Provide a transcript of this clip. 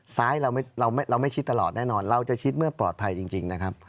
ซ้ายเราไม่ชิดตลอดแน่นอนเราจะชิดเมื่อปลอดภัยจริงนะครับ